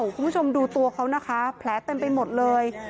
คุณผู้ชมดูตัวเขานะคะแผลเต็มไปหมดเลย